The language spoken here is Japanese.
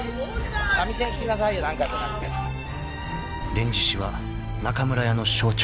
［『連獅子』は中村屋の象徴］